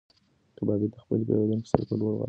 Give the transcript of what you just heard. کبابي د خپل پیرودونکي سره په لوړ غږ خبرې کولې.